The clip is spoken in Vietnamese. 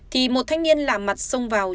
thì một thanh niên làm mặt xông vào